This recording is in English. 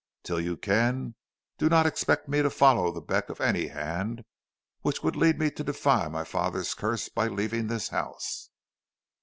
Till you can, do not expect me to follow the beck of any hand which would lead me to defy my father's curse by leaving this house."